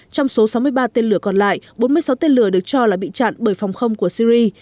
trong số sáu mươi ba tên lửa còn lại bốn mươi sáu tên lửa được cho là bị chặn bởi phòng không của syri